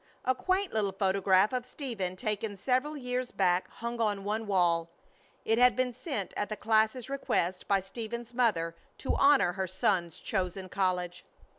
A quaint little photograph of Stephen taken several years back hung on one wall. It had been sent at the class's request by Stephen's mother to honor her son's chosen college.